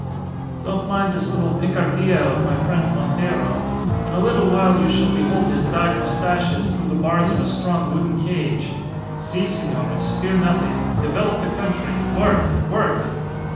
Don't mind this little picardia of my friend Montero. In a little while you shall behold his dyed moustaches through the bars of a strong wooden cage. Si, senores! Fear nothing, develop the country, work, work!"